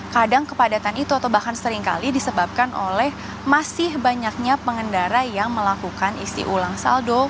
kadang kepadatan itu atau bahkan seringkali disebabkan oleh masih banyaknya pengendara yang melakukan isi ulang saldo